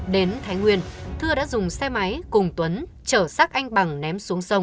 đến thái nguyên thưa đã dùng xe máy cùng tuấn trở xác anh bằng ném xuống sông